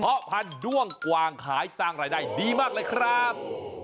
เพราะพันธุ์ด้วงกวางขายสร้างรายได้ดีมากเลยครับ